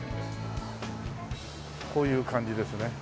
こういう感じですね。